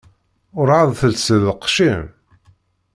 Ur εad telsiḍ lqecc-im?